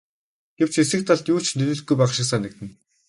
Гэвч эсрэг талд юу ч нөлөөлөхгүй байх шиг санагдана.